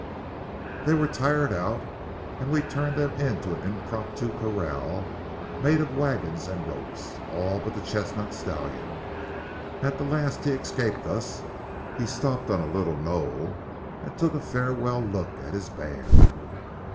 "They were tired out and we turned them into an impromptu corral made of wagons and ropes. All but the chestnut stallion. At the last he escaped us; he stopped on a little knoll and took a farewell look at his band.